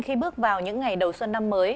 khi bước vào những ngày đầu xuân năm mới